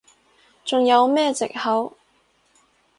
仲有咩藉口？